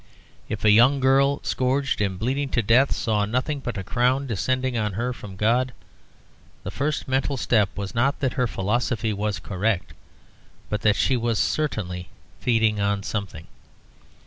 If a young girl, scourged and bleeding to death, saw nothing but a crown descending on her from God, the first mental step was not that her philosophy was correct, but that she was certainly feeding on something.